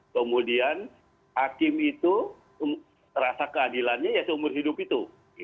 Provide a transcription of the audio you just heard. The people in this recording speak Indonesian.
kemudian hakim itu rasa keadilannya ya seumur hidup itu